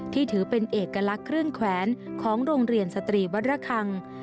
ถือเป็นเอกลักษณ์เครื่องแขวนของโรงเรียนสตรีวัดระคัง